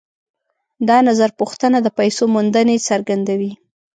دا نظرپوښتنه د پیسو موندنې څرګندوي